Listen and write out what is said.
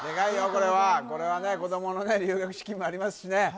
これはこれはね子どものね留学資金もありますしね